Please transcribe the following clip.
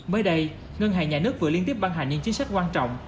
mới đây ngân hàng nhà nước vừa liên tiếp ban hành những chính sách quan trọng